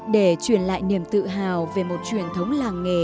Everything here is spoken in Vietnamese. để truyền lại niềm tự hào về một truyền thống làng nghề